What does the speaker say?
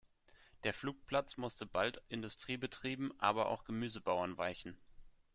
Der Flugplatz musste bald Industriebetrieben, aber auch Gemüsebauern weichen.